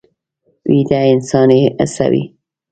ویده انسان بې حسه وي